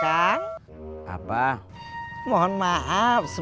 tapi apa dia siap feed